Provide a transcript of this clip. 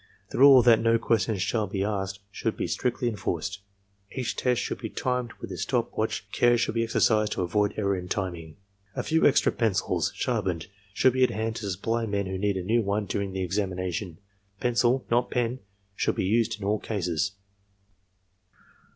The rule that no questions shall be asked should be strictly enforced. Each test should be timed with a stop watch and care should be exercised to avoid error in timing. A few extra pencils, sharpened, should be at hand to supply men who need a new one during the examination. Pencil, not pen^ should be used in all cases.